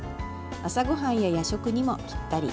朝ごはんや夜食にもぴったり。